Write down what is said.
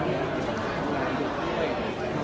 กูร้านอยู่ด้วย